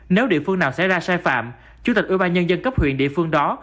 nếu địa phương nào xảy ra sai phạm chủ tịch ubnd cấp huyện địa phương đó